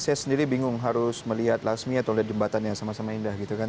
saya sendiri bingung harus melihat lasmi atau lihat jembatan yang sama sama indah gitu kan